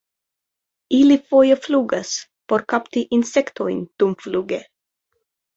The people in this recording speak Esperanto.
Ili foje flugas por kapti insektojn dumfluge.